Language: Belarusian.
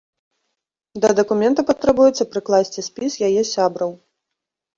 Да дакумента патрабуецца прыкласці спіс яе сябраў.